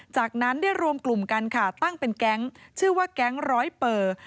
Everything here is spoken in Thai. จากนั้นได้รวมกลุ่มกันค่ะตั้งเป็นแก๊งชื่อว่าแก๊งร้อยเปอร์